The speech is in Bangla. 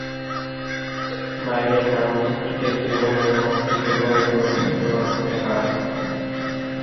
মাইনর কাউন্টি ক্রিকেটে ডেভনের পক্ষে খেলোয়াড়ী জীবনের সূত্রপাত ঘটে তার।